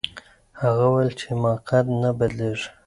هغه وویل چي حماقت نه بدلیږي.